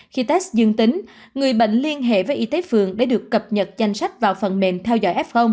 khi test dương tính người bệnh liên hệ với y tế phường để được cập nhật danh sách vào phần mềm theo dõi f